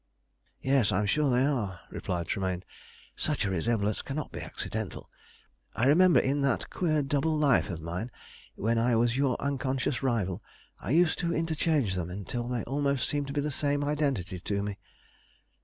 "Yes, I am sure they are," replied Tremayne; "such a resemblance cannot be accidental. I remember in that queer double life of mine, when I was your unconscious rival, I used to interchange them until they almost seemed to be the same identity to me.